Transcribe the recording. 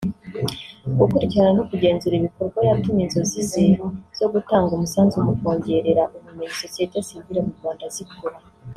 gukurikirana no kugenzura ibikorwa yatumye inzozi ze zo gutanga umusanzu mu kongerera ubumenyi sosiyete sivile mu Rwanda zikura